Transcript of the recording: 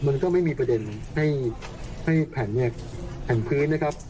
มันก็ไม่มีประเด็นให้แผ่นเนี่ยแผ่นพื้นนะครับ